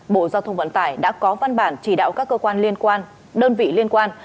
bộ giao thông vận tải đã có văn bản chỉ đạo các cơ quan liên quan đơn vị liên quan